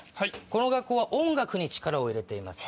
この学校は音楽に力を入れています。